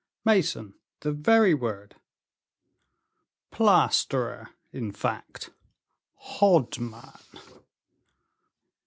"Mason; the very word." "Plasterer, in fact?" "Hodman?"